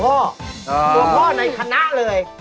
ตัวพ่อในคณะเลย